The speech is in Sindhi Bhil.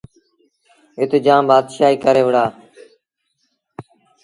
اَت جآم بآتشآهيٚ ڪري وُهڙآ۔